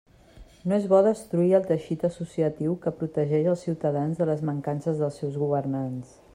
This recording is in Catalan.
No és bo destruir el teixit associatiu que protegeix els ciutadans de les mancances dels seus governants.